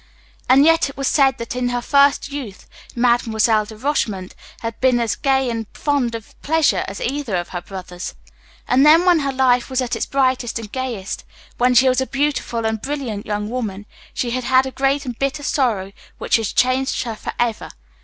And yet it was said that in her first youth Mademoiselle de Rochemont had been as gay and fond of pleasure as either of her brothers. And then, when her life was at its brightest and gayest when she was a beautiful and brilliant young woman she had had a great and bitter sorrow, which had changed her for ever.